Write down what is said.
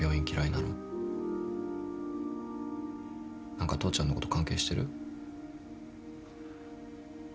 何か父ちゃんのこと関係してる？